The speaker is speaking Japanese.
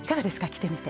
着てみて。